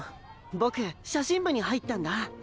僕写真部に入ったんだ。